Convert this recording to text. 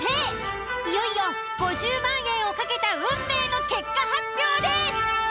いよいよ５０万円を懸けた運命の結果発表です。